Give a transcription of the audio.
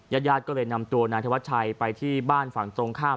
ญาติญาติก็เลยนำตัวนายธวัชชัยไปที่บ้านฝั่งตรงข้าม